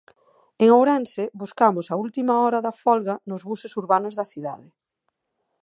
En Ourense, buscamos a última hora da folga nos buses urbanos da cidade.